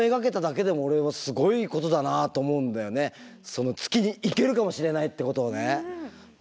その月に行けるかもしれないってことをね。